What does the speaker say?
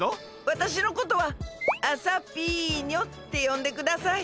わたしのことはあさぴーにょってよんでください。